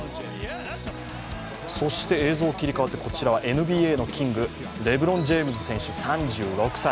そしてこちらはＮＢＡのキング、レブロン・ジェームズ選手３６歳。